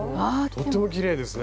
とってもきれいですね。